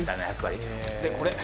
「でこれ。